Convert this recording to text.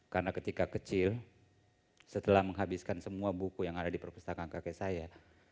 karena ketika kecil setelah menghabiskan semua buku yang ada di perpustakaan kakek saya